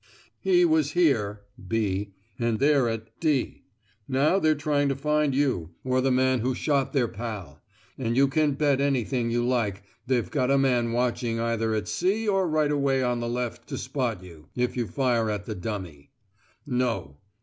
He was here (B), and they're at D. Now they're trying to find you, or the man who shot their pal; and you can bet anything you like they've got a man watching either at C or right away on the left to spot you if you fire at the dummy. No.